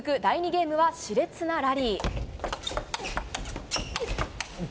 ゲームはしれつなラリー。